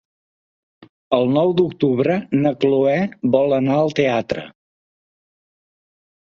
El nou d'octubre na Cloè vol anar al teatre.